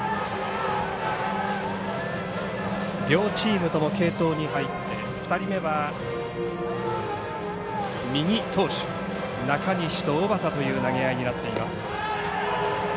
両チームとも継投に入って２人目は右投手中西と小畠という投げ合いになっています。